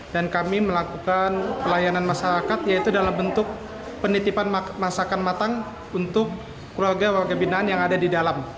dan kami melakukan pelayanan masyarakat yaitu dalam bentuk penitipan masakan matang untuk keluarga kebinan yang ada di dalam